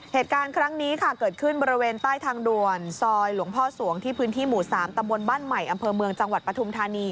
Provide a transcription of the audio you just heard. เหตุการณ์ครั้งนี้ค่ะเกิดขึ้นบริเวณใต้ทางด่วนซอยหลวงพ่อสวงที่พื้นที่หมู่๓ตำบลบ้านใหม่อำเภอเมืองจังหวัดปฐุมธานี